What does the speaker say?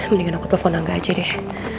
mendingan aku telepon angga aja deh